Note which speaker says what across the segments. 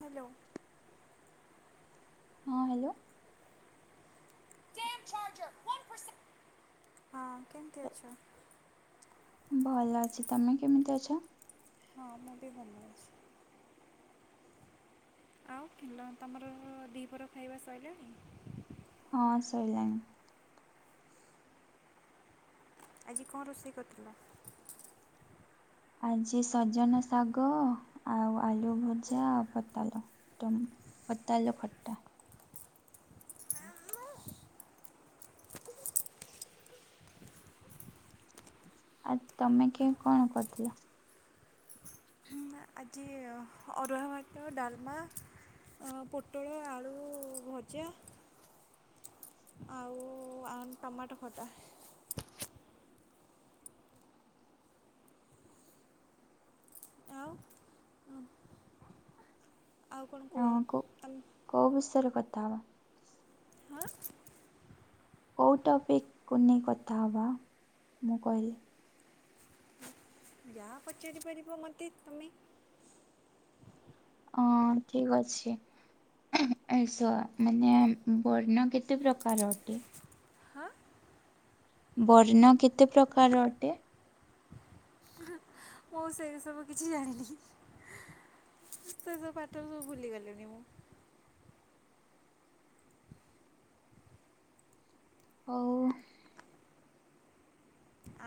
Speaker 1: Hello.
Speaker 2: ହଁ hello.
Speaker 1: ହଁ କେମିତି ଅଛ?
Speaker 2: ଭଲ ଅଛି ତମେ କେମିତି ଅଛ?
Speaker 1: ହଁ ମୁଁ ବି ଭଲ ଅଛି। ଆଉ କିନ ତମର ଦି ପହର ଖାଇବା ସାରିଲାଣି?
Speaker 2: ହଁ ଶଇଲାଣି।
Speaker 1: ଆଜି କଣ ରୋଷେଇ କରିଥିଲ?
Speaker 2: ଆଜି ସଜନା ଶାଗ ଆଉ ଆଳୁ ଭଜା ଆଉ ପୋତାଲ ଟ ପତାଲ ଖଟା। ଆଉ ତମେ କି କଣ କରିଥିଲ?
Speaker 1: ହୁଁ, ଆଜି ଅରୁଆ ଭାତ ଡାଲମା ଅହଂ ପୋଟଳ ଆଳୁ ଭଜା। ଆଉ ଆ ଟମାଟୋ ଖଟା। ଆଉ ଆଉ କଣ କୁହ
Speaker 2: ହଁ କୋଉ
Speaker 1: ତମ
Speaker 2: କୋଉ ବିଷରେ କଥା ହବା?
Speaker 1: ହଁ।
Speaker 2: କଉ ଟପିକକୁ ନେଇ କଥା ହେବା ମୁଁ କହିଲି।
Speaker 1: ଯାହା ପଚାରି ପାରିବ ମୋତେ ତମେ?
Speaker 2: ହଁ ଠିକ ଅଛି। ଏ ଶଳା ମାନେ ବର୍ଣ୍ଣ କେତେ ପ୍ରକାର ଅଟେ?
Speaker 1: ହଁ
Speaker 2: ବର୍ଣ୍ଣ କେତେ ପ୍ରକାର ଅଟେ?
Speaker 1: ମୋ ସେ ସବୁ କିଛି ଜାଣିନି। ସେ ସବୁ ପାଠ ସବୁ ଭୁଲି ଗଲିଣିି ମୁଁ।
Speaker 2: ହଉ।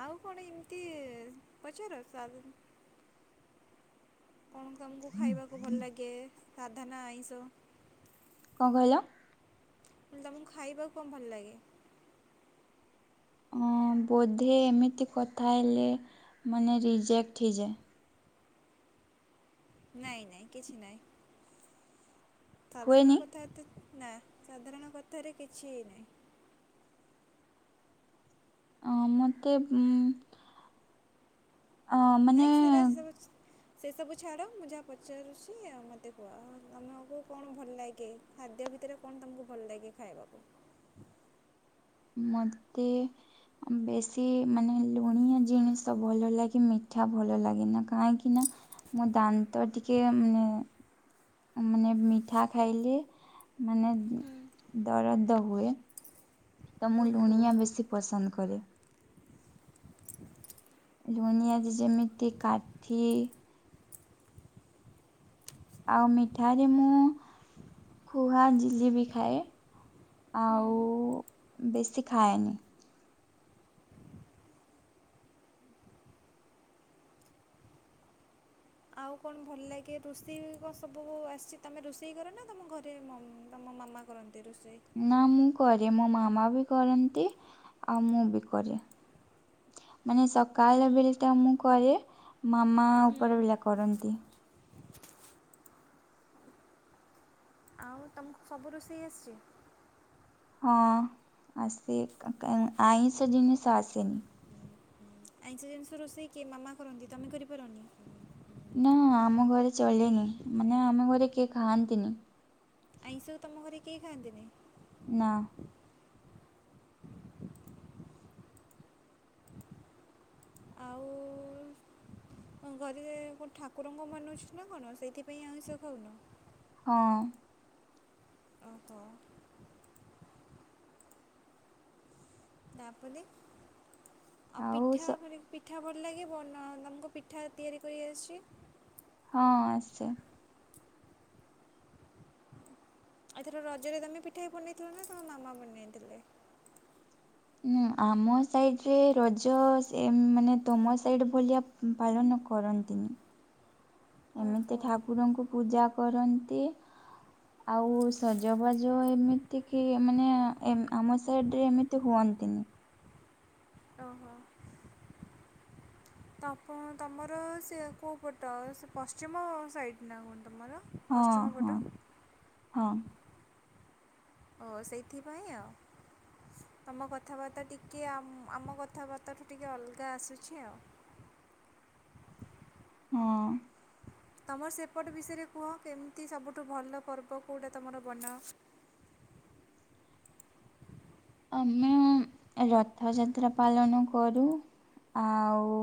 Speaker 1: ଆଉ କଣ ଏମିତି ପଚାର ସାର କଣ ତମକୁ ଖାଇବାକୁ ଭଲ ଲାଗେ ସାଧା ନା ଆଇଁଷ?
Speaker 2: କଣ କହିଲ?
Speaker 1: ହିଲି ତମକୁ ଖାଇବାକୁ କଣ ଭଲ ଲାଗେ?
Speaker 2: ଆଁ ବୋଧେ ଏମିତି କଥା ହେଲେ ମାନେ ରିଜେକ୍ଟ ହେଇଯାଏ।
Speaker 1: ନାଇଁ ନାଇଁ କିଛି ନାଇଁ ସାଧାରଣ
Speaker 2: ହୁଏନି
Speaker 1: କଥା ଏତେ ନା ସାଧାରଣ କଥାରେ କିଛି ନାହିଁ।
Speaker 2: ମୋତେ ମ୍ ଅ
Speaker 1: ନାଇଁ
Speaker 2: ମାନେ
Speaker 1: ସେରା ସେସବୁ ସେସବୁ ଛାଡ଼ ମୁଁ ଯାହା ପଚାରୁଛି ମୋତେ କୁହ ଆମକୁ କଣ ଭଲ ଲାଗେ ଖାଦ୍ୟ ଭିତରେ କଣ ତମକୁ ଭଲ ଲାଗେ ଖାଇବାକୁ
Speaker 2: ମତେ ବେଶୀ ମାନେ ଲୁଣିଆ ଜିନିଷ ଭଲ ଲାଗେ ମିଠା ଭଲ ଲାଗେନା କାହିଁକି ନା ମୁଁ ଦାନ୍ତ ଟିକେ ମାନେ ମାନେ ମିଠା ଖାଇଲେ ମାନେ ଦରଦ ହୁଏ ତ ମୁଁ
Speaker 1: ଓହୋ
Speaker 2: ଲୁଣିଆ ବେଶୀ ପସନ୍ଦ କରେ ଲୁଣିିଆଜି ଯେମିତି କାଠି ଆଉ ମିଠା ାରେ ମୁଁ ଖୁଆ ଜଝିଲି ବି ଖାଏ
Speaker 1: ହୁଁ
Speaker 2: ଆଉ ବେଶୀ ଖାଏନି
Speaker 1: ଆଉ କଣ ଭଲ ଲାଗେ ରୋଷେଇ କ ସବୁ ଆସିଛି ତମେ ରୋଷେଇ କର ନା ତମ ଘରେ ତମ ମାମା କରନ୍ତି ରୁସି
Speaker 2: ନା ମୁଁ କରେ ମୋ ମାମା ବି କରନ୍ତି ଆଉ ମୁଁ ବି କରେ ମାନେ ସକାଳ ବେଳେ ଟା ମୁଁ କରେ ମାମା
Speaker 1: ହୁଁ
Speaker 2: ଉପର ବିଲ କରନ୍ତି
Speaker 1: ଆମ ସବୁ ରୋଷେଇ ଆସିଛି
Speaker 2: ହଁ ଆସେ ଆଇଁଷ ଜିନିଷ ଆସେନି
Speaker 1: ଆଇଁଷ ଜିନିଷ ରୋଷେଇ କି ମାମା କରନ୍ତି ତମେ କରିପାରନି
Speaker 2: ନା ଆମ ଘରେ ଚଲେନି ମାନେ ଆମ ଘରେ କିଏ ଖାଆନ୍ତିନି
Speaker 1: ଆଇଁଷକୁ ତମ ଘରେ କେହି ଖାଆନ୍ତିନି
Speaker 2: ନା
Speaker 1: ଘରେଉ ଠାକୁରଙ୍କ ମନେ ଅଛି ନା କଣ ସେଇଥିପାଇଁ ଆଉଷ ଖାଉନ
Speaker 2: ହଁ
Speaker 1: ହ ତ [unintelligible] ତାପ ଆଉ ପିଠା ମାନେ ପିଠା ଭଲ ଲାଗେ ବ ତମକୁ ପିଠା ତିଆରି କରିଆସିଛି
Speaker 2: ହଁ ଆଛ
Speaker 1: ଏଉଥର ରଜରେ ତମେ ପିଠା ବନେଇଥିଲ ନା ତମ ମାମା ବନେଇଥିଲେ
Speaker 2: ହୁଁ ଆମ ସାଇଡ ରେ ରଜ ମାନେ ତମ ସାଇଡ ଭଳିଆ ପାଳନ କରନ୍ତିନ୍ତି ଏମିତି
Speaker 1: ଓହୋ
Speaker 2: ଠାକୁରଙ୍କୁ ପୂଜା କରନ୍ତି ଆଉ ସଜବାଜ ଏମିତି କି ମାନେ ଆମ ସାଇଡ ରେ ଏମିତି ହୁଅନି ଟନି [unintelligible] [inaudible]
Speaker 1: ଓହୋ ତ ତମର ସେ କୋଉଁ ପଟ ସେ ପଶ୍ଚିମ ସାଇଡ଼୍ ନା କୁ
Speaker 2: ହଁ ହଁ ହଁ
Speaker 1: ଓ ସେଇଥିପାଇଁ ଆଉ ତମ କଥାବାର୍ତ୍ତା ଟିକେ ଆମ କଥାବାର୍ତ୍ତାଠୁ ଟିକେ ଅଲଗା ଆସୁଛି ଆଉ
Speaker 2: [inaudible] ହଁ
Speaker 1: ତୁମର ସେପଟ ବିଷୟରେ କୁହ କେମିତି ସବୁଠୁ ଭଲ ପର୍ବ କେଉଁଟା ତୁମର ବନାଅ
Speaker 2: [inaudible] ଆମେ ରଥଯାତ୍ରା ପାଳନ କରୁ ଆଉ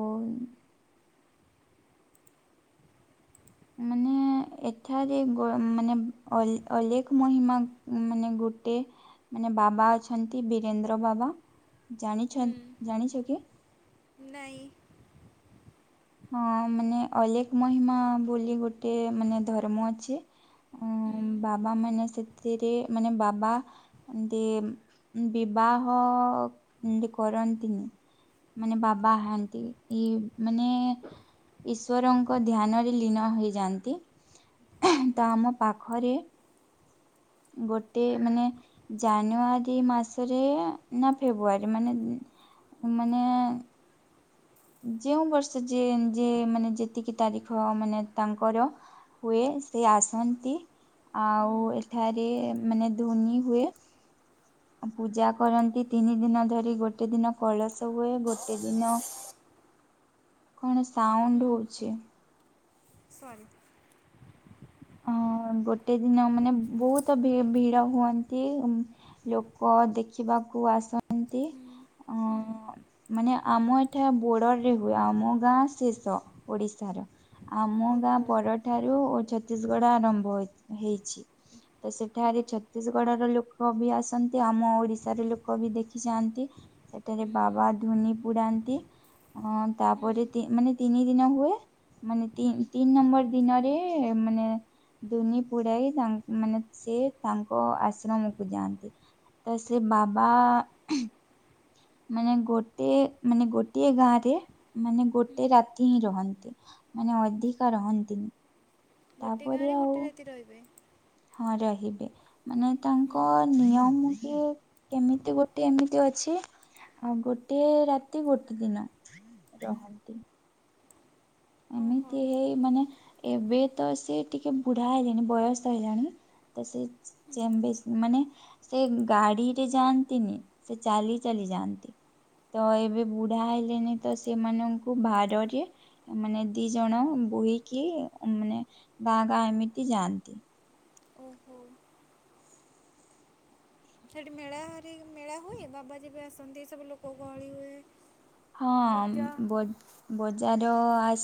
Speaker 2: ମାନେ ଏଠାରେ ମାନେ ଅଲେଖ ମହିମା ମାନେ ଗୁରୁ ଗୋଟେ ମାନେ ବାବା ଅଛନ୍ତି ବୀରେନ୍ଦ୍ର ବାବା
Speaker 1: ହୁଁ
Speaker 2: ଜାଣିଛ ଜାଣିଛ କି
Speaker 1: ନାଇଁ
Speaker 2: ହଁ ମାନେ ଅଲେଖ ମହିମା ବୋଲି ଗୋଟେ ମାନେ ଧର୍ମ ଅଛି
Speaker 1: ହୁଁ
Speaker 2: ଉଁ ବାବା ମାନେ ସେଥିରେ ମାନେ ବାବା ଦି ବିବାହ କରନ୍ତି ନି। ମାନେ ବାବା ହାନ୍ତି ଏଇ ମାନେ ଈଶ୍ଵରଙ୍କ ଧ୍ୟାନ ରେ ଲୀନ ହେଇଯାଆନ୍ତି। ତ ଆମ ପାଖରେ ଗୋଟେ ମାନେ ଜାନୁଆରୀ ମାସରେ ନା ଫେବୃଆରୀ ମାନେ ମାନେ ଯେଉଁ ବର୍ଷ ଯେ ଯେ ମାନେ ଯେତିକି ତାରିଖ ମାନେ ତାଙ୍କର ହୁଏ। ସେ ଆସନ୍ତି
Speaker 1: ହୁଁ
Speaker 2: ଆଉ ଏଠାରେ ମାନେ ଧୋନି ହୁଏ। ପୂଜା କରନ୍ତି ତିନି ଦିନ ଧରି ଗୋଟେ ଦିନ କଳସ ହୁଏ ଗୋଟେ ଦିନ କଣ
Speaker 1: ହୁଁ
Speaker 2: ସାଉଣ୍ଡୁ ହଉଛି।
Speaker 1: ସରି।
Speaker 2: ହଁ। ଗୋଟେ ଦିନ ମାନେ ବହୁତ ଭି ଭିଡ ହୁଅନ୍ତି ଲୋକ ଦେଖିବାକୁ କୁ ଆସନ୍ତି।
Speaker 1: ହୁଁ ହୁଁ
Speaker 2: ଅ ମାନେ ଆମ ଏଠା ବୋର୍ଡର ରେ ହୁଏ ଆମ ଗାଁ ଶେଷ ଓଡିଶା। ଆମ ଗାଁ
Speaker 1: ଓହୋ
Speaker 2: ପରଠାରୁ ଛତିଶଗଡ ଆରମ୍ଭ ହୋ ହେଇଛି। ତ
Speaker 1: ଓ
Speaker 2: ସେଠାରେ ଛତିଶଗଡ ର ଲୋକ ବି ଆସନ୍ତି ଆମ ଓଡିଶାର ଲୋକ ବି ଦେଖି ଯାଆନ୍ତି। ସେଠାରେ
Speaker 1: ହୁଁ
Speaker 2: ବାବା ଧୋନି ପୁଡାନ୍ତି ଅ
Speaker 1: ହୁଁ
Speaker 2: ତାପରେ ମାନେ ତିନି ଦିନ ହୁଏ ମାନେ
Speaker 1: ହୁଁ
Speaker 2: ତିନି ନମ୍ବର ଦିନରେ ମାନେ ଦୁନି ପୁଡାଇ ତା ମାନେ ସେ ତାଙ୍କ ଆଶ୍ରମକୁ ଯାଆନ୍ତି। ତା ସେ ବାବା ମାନେ ଗୋଟେ ମାନେ ଗୋଟିଏ ଗାଁରେ ମାନେ
Speaker 1: ହୁଁ
Speaker 2: ଗୋଟେ ରାତି ହିଁ ରୁହନ୍ତି। ମାନେ ଅଧିକ ରହନ୍ତି।
Speaker 1: ଗୋଟେ ଗାଁ ରେ ଗୋଟେ ରାତି ରହିବେ।
Speaker 2: ହଁ ରହିବେ ମାନେ
Speaker 1: ହୁଁ
Speaker 2: ତାଙ୍କ ନିୟମ କି କେମିତି ଗୋଟେ ଏମିତି ଅଛି। ଆଉ ଗୋଟେ ରାତି ଗୋଟେ ଦିନ ରହନ୍ତି।
Speaker 1: ଓହୋ
Speaker 2: ଏମିତି ହେଇ ମାନେ ଏବେ ତ ସେ ଟିକେ ବୁଢା ହେଲେଣି ବୟସ ହେଲାଣି। ତ
Speaker 1: ହୁଁ
Speaker 2: ସେ ମାନେ ସେ ଗାଡିରେ ଯାଆନ୍ତିନି ସେ ଚାଲି ଚାଲି। ଯାଆନ୍ତି ତ ଏବେ ବୁଢା ହେଲେନି ତ ସେମାନଙ୍କୁ ଭାରରେ ମାନେ ଦି ଜଣ ବୋହିକି ମାନେ ଗାଁ ଗାଁ ଏମିତି ଯାଆନ୍ତି।
Speaker 1: ଓହୋ। ସେଠି ମେଳା ହାରି ମେଳା ହୁଏ ବାବାଜୀ ବି ଆସନ୍ତି ସବୁ ଲୋକ ଗହଳି ହୁଏ।
Speaker 2: ହଁ
Speaker 1: ପୂଜା
Speaker 2: ବୋଧ ବୋଧି ବଜାର ଆଇସ୍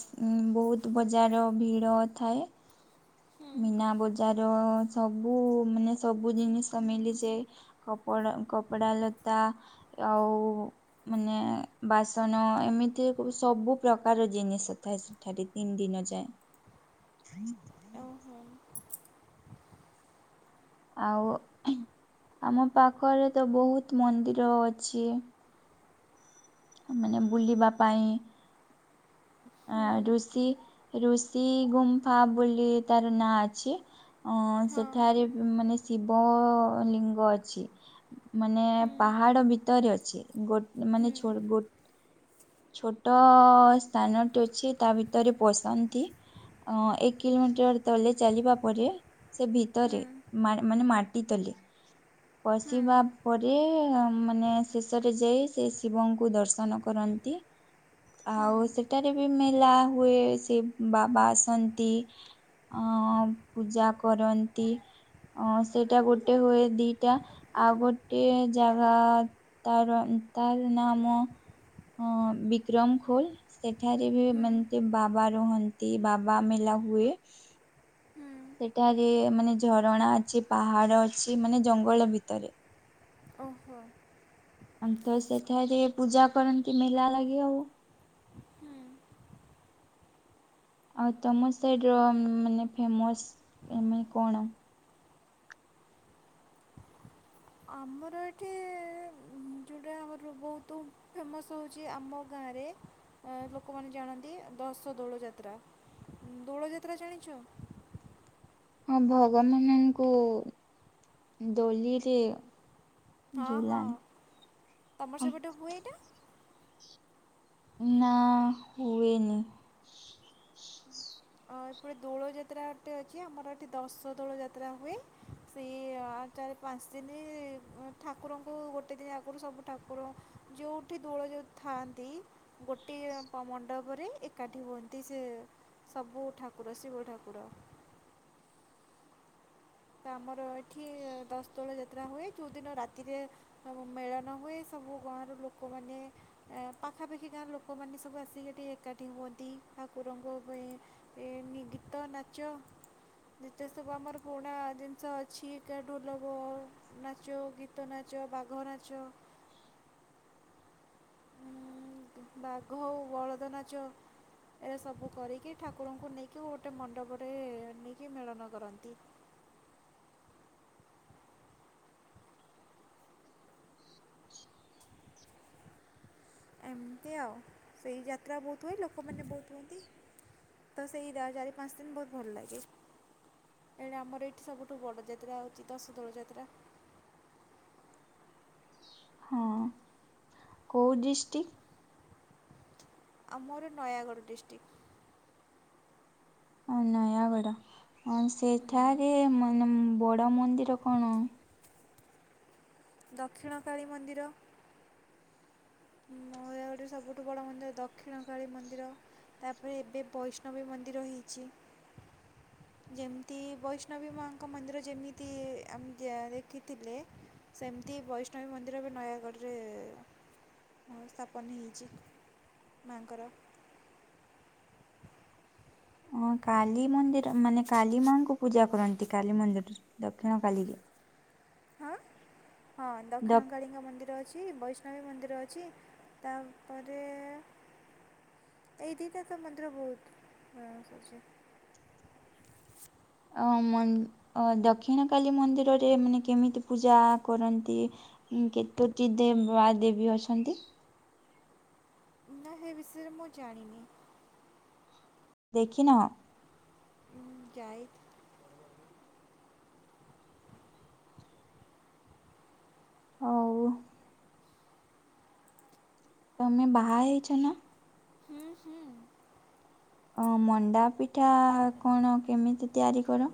Speaker 2: ବହୁତ ବଜାର ଭିଡ ଥାଏ।
Speaker 1: ହୁଁ
Speaker 2: ମୀନା ବଜାର ସବୁ ମାନେ ସବୁ ଜିନିଷ ମିଳିଯାଏ ଅ କପଡ଼ା ଲତା ଆଉ ମାନେ ବାସନ ଏମିତି ସବୁ ପ୍ରକାର ଜିନିଷ ଥାଏ ସେଠାରେ ତିନି ଦିନ ଯାଏ। [inaudible]
Speaker 1: ଓହୋ।
Speaker 2: ଆଉ ଆମ ପାଖରେ ତ ବହୁତ ମନ୍ଦିର ଅଛି। ମାନେ ବୁଲିବା ପାଇଁ ଆ ଋଷି ଋଷି ଗୁମ୍ଫା ବୋଲି ତାର ନାଁ ଅଛି। ଅ ସେଠାରେ ମାନେ ଶିବ ଲିଙ୍ଗ ଅଛି। ମାନେ ପାହାଡ ଭିତରେ ଅଛି ଗୋଟେ ମାନେ ଛୋ-ଗୋ ଛୋଟ ସ୍ଥାନଟେ ଅଛି ତା ଭିତରେ ପଶନ୍ତି। ଅ ଏକ କିଲୋମିଟର ତଳେ ଚାଲିବା ପରେ ସେ ଭିତରେ ମାନେ ମାଟି ତଲେ ପଶିବା ପରେ ପୁଅ ମାନେ ଶେଷରେ ଯାଇ ସେ ଶିବଙ୍କୁ ଦର୍ଶନ କରନ୍ତି। ଆଉ ସେଠାରେ ବି ମେଲା ହୁଏ ସେ ବାବା ଆସନ୍ତି। ଅଁ ପୂଜା କରନ୍ତି। ଅଁ ସେଇଟା ଗୋଟେ ହୁଏ ଦିଟା ଆଉ ଗୋଟିଏ ଜାଗା ତାର ତାର ନାମ ଅଁ ବିକ୍ରମ ଖୋଲ୍ ସେଠାରେ ବି ମାନକେ ବାବାର୍ ରୁହନ୍ତି ବାବା ମେଲା ହୁଏ। ସେଠାରେ ମାନେ ଝରଣା ଅଛି ପାହାଡ ଅଛି ମାନେ ଜଙ୍ଗଲ ଭିତରେ।
Speaker 1: ଓହୋ।
Speaker 2: ଅନ୍ତ ସେଠାରେ ପୂଜା କରନ୍ତି ମେଲା ଲାଗେ ଆଉ [inaudible]
Speaker 1: ହୁଁ
Speaker 2: ଆଉ ତମ ସାଇଡ୍ ର ମାନେ ଫେମସ ଏମେ କଣ? [inaudible]
Speaker 1: ଆମର ଏଠି ଯୋଉଟା ଆମର ବହୁତ ଫେମସ୍ ହଉଚି ଆମ ଗା ଗାଁରେ ଅଁ ଲୋକମାନେ ଜାଣନ୍ତି ଦଶ ଦୋଳ ଯାତ୍ରା। ଦୋଳ ଯାତ୍ରା ଜାଣିଚ?
Speaker 2: ହଁ ଭଗନାନଙ୍କୁ ଦୋଲିରେ
Speaker 1: ହଁ ହଁ
Speaker 2: ଝୁଲାନ୍।
Speaker 1: ତମର ସେପଟେ ହୁଏ ଏଇଟା?
Speaker 2: ନା ହୁଏନି। [inaudible]
Speaker 1: ଟେ ଛିଅ। ଆମର ଏଠି ଦଶ ଦୋଳ ଯାତ୍ରା ହୁଏ ସେଇ ଅ ଚାରି ପାଞ୍ଚ ଦିନି ଠାକୁର ଠାକୁରଙ୍କୁ ଗୋଟେ ଦିନ ଆଗରୁ ସବୁ ଠାକୁର ଯୋଉଠି ଦୋଳ ଯୋଉ ଥାଆନ୍ତି ଗୋଟିଏ ଉପମଣ୍ଡପରେ ଏକାଠି ହୁଅନ୍ତି ସେ ସବୁ। ଠାକୁର ଶିବ ଠାକୁର। ତ ଆମର ଏଠି ଦଶ୍ ତୋଳ ଯାତ୍ରା ହୁଏ। ଯୋଉ ଦିନ ରାତିରେ ମେଳନ ହୁଏ ସେ ସବୁ ଗାଁର ଲୋକମାନେ ଏଁ ପାଖାପାଖି ଗାଁର ଲୋକମାନେ ସବୁ ଆସିକି ଏଠି ଏକାଠି ହୁଅନ୍ତି। ଠାକୁରଙ୍କ ପେଇଁ ଏ ଗୀତ ନାଚ ଯେତେ ସବୁ ଆମର ପୁରୁଣା ଆ ଜିନିଷ ଅଛି ଏକା ଢୋଲବ ନାଚ ଗୀତ ନାଚ ବାଘ ନାଚ।
Speaker 2: [inaudible] [inaudible]
Speaker 1: ବାଘ ଆଉ ବଳଦ ନାଚ। ଏସବୁ କରିକି ଠାକୁରଙ୍କୁ ନେଇକି ଗୋଟେ ମଣ୍ଡପରେ ନେଇକି ମେଳନ କରନ୍ତି।
Speaker 2: [inaudible]
Speaker 1: ଏମତି ଆଉ ସେଇ ଯାତ୍ରା ବହୁତ ହୁଏ ଲୋକମାନେ ବହୁତୁ ତ ସେଇ ଯା ଚାରି ପାଞ୍ଚ ଦିନ୍ ବହୁତ ଭଲ ଲାଗେ। ଏଇଟା ଆମର ଏଇଠି ସବୁଠୁ ବଡ଼ ଯାତ୍ରା ହଉଚି ଦଶ ଦୋଳ ଯାତ୍ରା।
Speaker 2: [inaudible] ହଁ କୋଉ ଡ଼୍ରିଷ୍ଟିକ୍?
Speaker 1: ଆମର ନୟାଗଡ଼ ଡ଼୍ରିଷ୍ଟିକ୍।
Speaker 2: ଓ ନୟାଗଡ ଆମ୍ ସେଠାରେ ନନମ୍ ବଡ୍ ବଡ଼ ମନ୍ଦିର କଣ?
Speaker 1: ଦକ୍ଷିଣ କାଳୀ ମନ୍ଦିର ମ [unintelligible] ଏଇଟାରୁ ସବୁଠୁ ବଡ଼ ମନ୍ଦିର ଦକ୍ଷିଣକାଳୀ ମନ୍ଦିର ତା ପରେ ଏବେ ବୈଷ୍ଣବୀ ମନ୍ଦିର ହେଇଚି।
Speaker 2: [inaudible]
Speaker 1: ଯେମିତି ବୈଷ୍ଣବୀ ମାଙ୍କ ମନ୍ଦିର ଯେମିତି ଆମ୍ ଯା ଦେଖିଥିଲେ ସେମିତି ବୈଷ୍ଣବୀ ମନ୍ଦିର ବି ନୟାଗଡ଼ରେ ସ୍ଥାପନ ହେଇଚି। ମାଆଙ୍କର।
Speaker 2: ମା କାଳୀ ମନ୍ଦିର ମାନେ କାଳୀମା ଙ୍କୁ ପୂଜା କରନ୍ତି କାଳୀ ମନ୍ଦିର ଦକ୍ଷିଣ କାଳୀ
Speaker 1: ହଁ ହଁ
Speaker 2: ଦ
Speaker 1: ଦକ୍ଷିଣ କାଳୀ ଙ୍କ ମନ୍ଦିର ଅଛି ବୈଷ୍ [unintelligible] ମନ୍ଦିର ଅଛି ତାପରେ ଏଇ ଦିଟା ତ ମନ୍ଦିର ବହୁତ୍ ହଁ [unintelligible]
Speaker 2: ଅ ମନ ଦକ୍ଷିଣ କାଳୀ ମନ୍ଦିରରେ ମାନେ କେମିତି ପୂଜା କରନ୍ତି? କେତୋଟି ଦେବା ଦେବୀ ଅଛନ୍ତି?
Speaker 1: ନାଁ ହେ ବିଷୟରେ ମୁଁ ଜାଣିନି।
Speaker 2: ଦେଖିନାଁହ?
Speaker 1: ଯାଏ [unintelligible]
Speaker 2: ଆଉ। ତମେ ବାହା ହେଇଛ ନା?
Speaker 1: ହୁଁ ହୁଁ।
Speaker 2: ଅ ମଣ୍ଡା ପିଠା କଣ କେମିତି ତିଆରି କର?